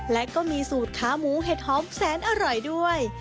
และก็มีสูตรขาหมูเห็ดหอมแสนอร่อยด้วย